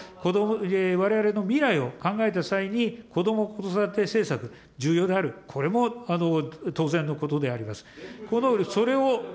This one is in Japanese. われわれの未来を考えた際に、こども・子育て政策、これも重要である、これも当然のことであります。